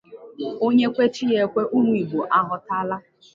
Onye kwe Chi ya ekwe! Ụmụ Igbo aghọtala